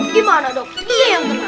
gimana dong dia yang kena